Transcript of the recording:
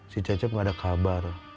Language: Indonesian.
si cecep gak ada kabar